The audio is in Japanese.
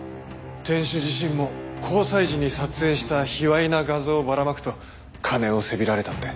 店主自身も交際時に撮影した卑猥な画像をばらまくと金をせびられたって。